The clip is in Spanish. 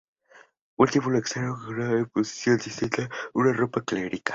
Un símbolo externo de esto fue la adopción distintiva de ropa clerical.